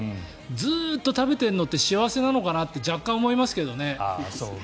ずっと食べているのって幸せなのかなって若干、思いますけどね。